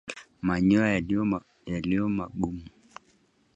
Manyoya yaliyo magumu